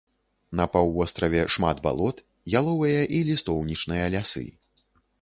На паўвостраве шмат балот, яловыя і лістоўнічныя лясы.